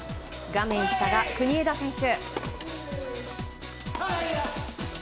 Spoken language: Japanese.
画面下が国枝選手。